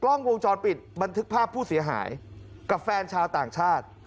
กล้องวงจรปิดบันทึกภาพผู้เสียหายกับแฟนชาวต่างชาติ